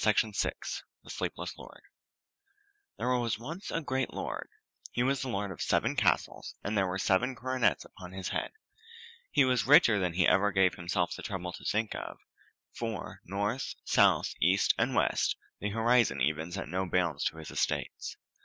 THE SLEEPLESS LORD There was once a great lord. He was lord of seven castles, and there were seven coronets upon his head. He was richer than he ever gave himself the trouble to think of, for, north, south, east, and west, the horizon even set no bounds to his estates.